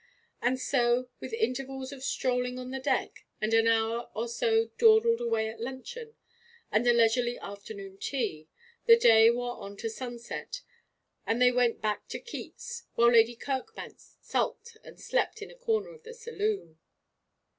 And so, with intervals of strolling on the deck, and an hour or so dawdled away at luncheon, and a leisurely afternoon tea, the day wore on to sunset, and they went back to Keats, while Lady Kirkbank sulked and slept in a corner of the saloon.